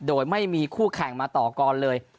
โดยไม่มีคู่แข่งมาต่อกรเลย